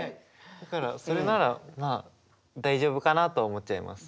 だからそれならまあ大丈夫かなと思っちゃいます。